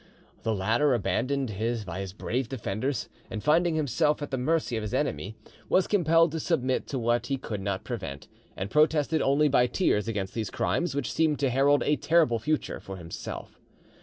The latter, abandoned by his brave defenders, and finding himself at the mercy of his enemy, was compelled to submit to what he could not prevent, and protested only by tears against these crimes, which seemed to herald a terrible future for himself.